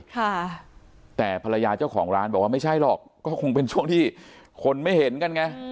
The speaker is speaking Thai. ค่ะแต่ภรรยาเจ้าของร้านบอกว่าไม่ใช่หรอกก็คงเป็นช่วงที่คนไม่เห็นกันไง